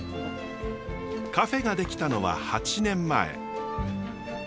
カフェが出来たのは８年前。